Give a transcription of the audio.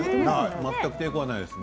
全く抵抗ないですね。